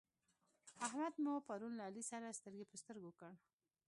احمد مو پرون له علي سره سترګې پر سترګو کړ.